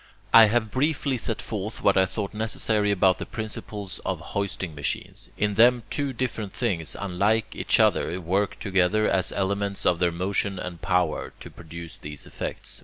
I have briefly set forth what I thought necessary about the principles of hoisting machines. In them two different things, unlike each other, work together, as elements of their motion and power, to produce these effects.